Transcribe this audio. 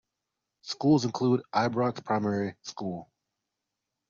Schools include Ibrox Primary School.